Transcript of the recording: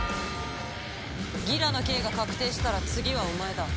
ギラの刑が確定したら次はお前だ。